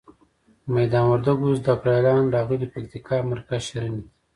د میدان وردګو زده ګړالیان راغلي پکتیکا مرکز ښرنی ته.